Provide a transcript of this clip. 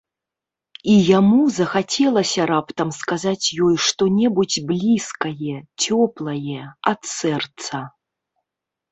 І яму захацелася раптам сказаць ёй што-небудзь блізкае, цёплае, ад сэрца.